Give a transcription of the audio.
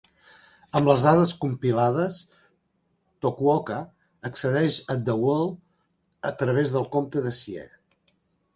Amb les dades compilades, Tokuoka accedeix a The World a través del compte de Sieg.